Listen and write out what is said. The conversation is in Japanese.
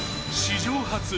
史上初！